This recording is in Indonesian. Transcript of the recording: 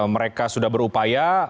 mereka sudah berupaya